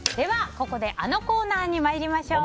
ここであのコーナーに参りましょう。